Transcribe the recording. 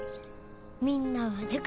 みんなは塾。